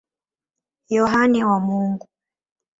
Yohane wa Mungu.